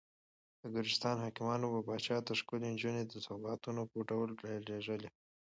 د ګرجستان حاکمانو به پاچا ته ښکلې نجونې د سوغات په ډول لېږلې.